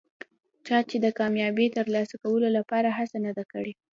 چا چې د کامیابۍ ترلاسه کولو لپاره هڅه نه ده کړي.